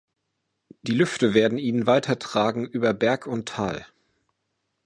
Die Lüfte werden ihn weitertragen über Berg und Tal.